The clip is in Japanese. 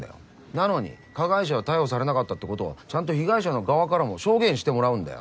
なのに加害者は逮捕されなかったってことはちゃんと被害者の側からも証言してもらうんだよ。